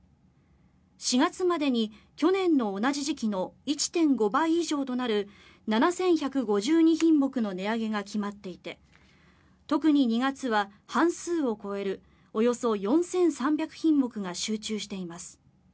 ４月までに去年の同じ時期の１．５倍以上となる７１５２品目の値上げが決まっていて特に２月は半数を超えるおよそ４３００品目が集中しています。